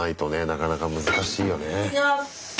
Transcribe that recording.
なかなか難しいよね。